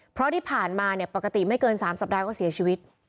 เพราะที่ผ่านมาเนี่ยปกติไม่เกิน๓สัปดาห์ก็เสียชีวิต